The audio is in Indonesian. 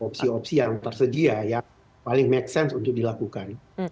opsi opsi yang tersedia yang paling make sense untuk dilakukan